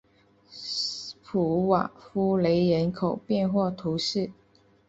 普瓦夫雷人口变化图示